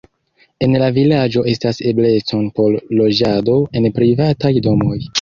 En la vilaĝo estas eblecoj por loĝado en privataj domoj.